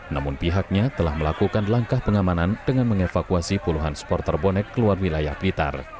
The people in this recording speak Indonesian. namun pihaknya telah melakukan langkah pengamanan dengan mengevakuasi puluhan supporter bonek keluar wilayah blitar